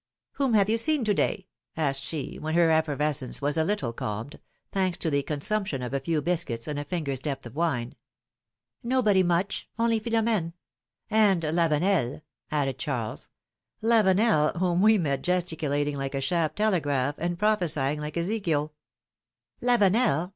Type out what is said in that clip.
Whom have you seen to day?" asked she, when her effervescence was a little calmed — thanks to the consump tion of a few biscuits and a finger's depth of wine. Nobody much ; only Philom^ne !" ^^And Lavenel," added Charles. ^^Lavenel, whom we met gesticulating like a Chappe telegraph, and prophesy ing like Ezekiel." 100 philom^:ne's maeeiages. ^^Lavenel?